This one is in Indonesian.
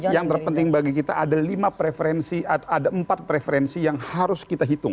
yang terpenting bagi kita ada lima preferensi atau ada empat preferensi yang harus kita hitung